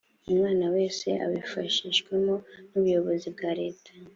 umwana wese abifashijwemo n ubuyobozi bwa leta